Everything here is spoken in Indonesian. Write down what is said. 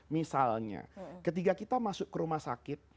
misalnya ketika kita masuk ke rumah sakit